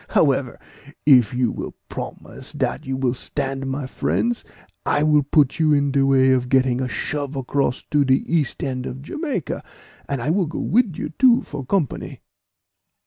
"However, if you will promise dat you will stand my friends, I will put you in de way of getting a shove across to de east end of Jamaica; and I will go wid you too, for company."